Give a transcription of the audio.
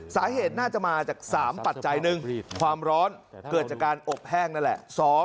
สาเหตุน่าจะมาจาก๓ปัจจัยหนึ่งความร้อนเกิดจากการอบแห้งนั่นแหละ